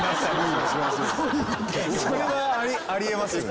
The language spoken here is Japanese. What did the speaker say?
それはあり得ますよね。